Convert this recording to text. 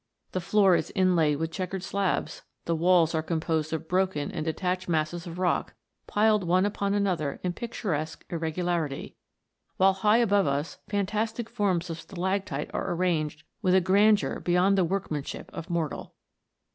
The floor is inlaid with chequered slabs ; the walls are composed of broken and detached masses of rock, piled one upon another in pictu resque irregularity ; while high above us fantastic forms of stalactite are arranged with a grandeur beyond the workmanship of mortal.